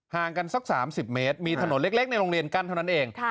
ห่างกันสัก๓๐เมตรมีถนนเล็กในโรงเรียนกั้นเท่านั้นเอง